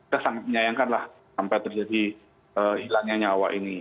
kita sangat menyayangkan lah sampai terjadi hilangnya nyawa ini